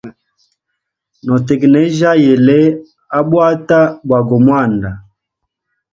No tegnejya yele a bwata bwa go mwanda.